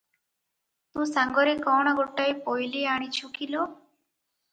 ତୁ ସାଙ୍ଗରେ କଣ ଗୋଟାଏ ପୋଇଲୀ ଆଣିଛୁ କି ଲୋ ।"